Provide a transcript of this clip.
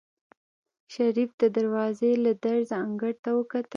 شريف د دروازې له درزه انګړ ته وکتل.